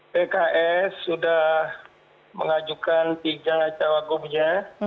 pks sudah mengajukan tiga cawagupnya